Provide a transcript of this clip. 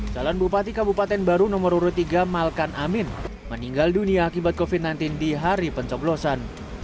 jalan bupati kabupaten baru no tiga malkan amin meninggal dunia akibat covid sembilan belas di hari penceblosan